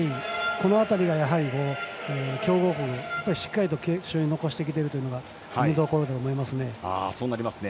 この辺りが強豪国しっかりと決勝に残してきているというのが見どころだと思いますね。